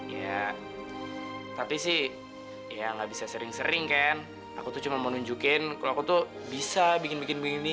ya tapi sih ya gak bisa sering sering kan aku tuh cuma mau nunjukin kalau aku tuh bisa bikin bikin begini